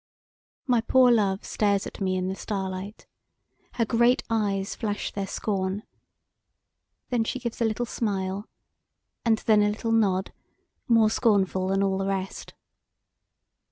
My poor love stares at me in the starlight. Her great eyes flash their scorn. Then she gives a little smile and then a little nod more scornful than all the rest.